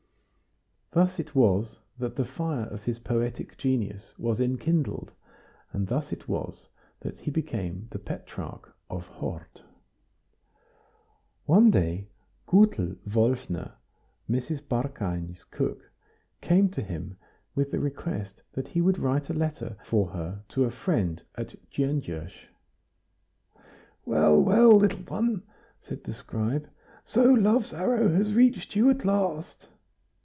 Thus it was that the fire of his poetic genius was enkindled, and thus it was he became the Petrarch of Hort. One day Gutel Wolfner, Mrs. Barkany's cook, came to him with the request that he would write a letter for her to a friend at Gyongos. "Well, well, little one," said the scribe, "so Love's arrow has reached you at last!"